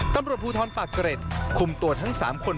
ตำรวจภูทรปากเกร็ดคุมตัวทั้ง๓คน